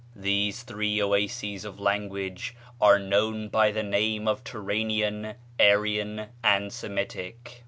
These three oases of language are known by the name of Turanian, Aryan, and Semitic.